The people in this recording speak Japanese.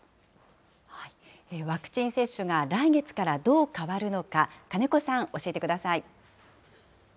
ワクチン接種が来月からどう変わるのか、金子さん、教えてください。